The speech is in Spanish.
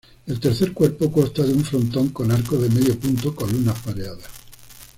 El tercer cuerpo consta de un frontón con arcos de medio punto, columnas pareadas.